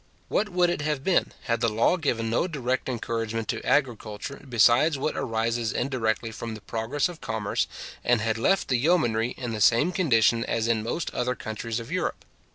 What would it have been, had the law given no direct encouragement to agriculture besides what arises indirectly from the progress of commerce, and had left the yeomanry in the same condition as in most other countries of Europe?